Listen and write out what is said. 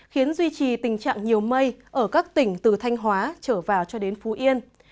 khiến duy trì tình trạng nhiều mây ở các tỉnh từ thanh hóa trở vào cho đến phú yên